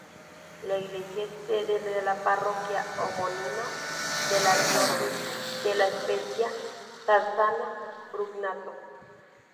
La iglesia es sede de la parroquia homónima de la diócesis de la Spezia-Sarzana-Brugnato.